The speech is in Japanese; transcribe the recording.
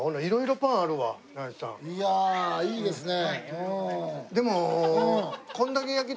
いやいいですね。